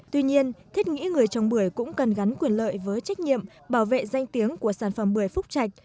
tuy nhiên thiết nghĩ người trồng bưởi cũng cần gắn quyền lợi với trách nhiệm bảo vệ danh tiếng của sản phẩm bưởi phúc trạch